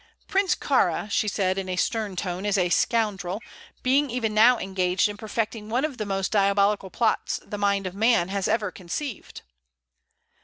"Prince Kāra," she said, in a stern tone, "is a scoundrel, being even now engaged in perfecting one of the most diabolical plots the mind of man has ever conceived."